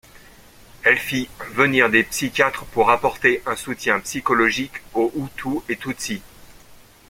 Elle fit venir des psychiatres pour apporter un soutien psychologique aux Hutus et Tutsis.